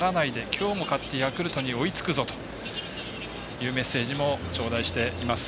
きょうも勝ってヤクルトに追いつくぞ！というメッセージも頂戴しています。